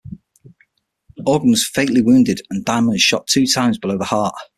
Orgen was fatally wounded and Diamond was shot two times below the heart.